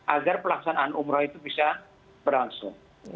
agar pelaksanaan umroh itu bisa berlangsung